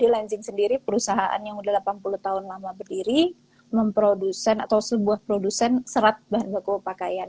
lensing sendiri perusahaan yang sudah delapan puluh tahun lama berdiri memprodukan atau sebuah produksi serat bahan baku pakaian